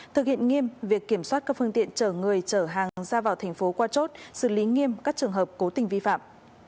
thực hiện nghiêm việc kiểm soát các phương tiện chở người chở hàng ra vào thành phố qua chốt xử lý nghiêm các trường hợp cố tình vi phạm